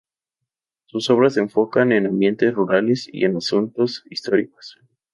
Sus obras se enfocan en ambientes rurales y en asuntos históricos.